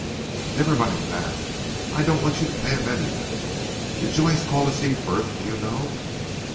"Never mind that. I don't want you to pay him anything. Did Joyce call to see Frith do you know?"